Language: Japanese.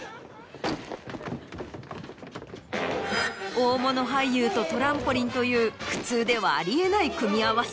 大物俳優とトランポリンという普通ではあり得ない組み合わせ。